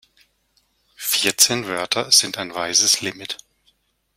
Vierzehn Wörter sind ein weises Limit.